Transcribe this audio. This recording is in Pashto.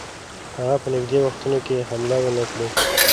هغه په نیژدې وختونو کې حمله ونه کړي.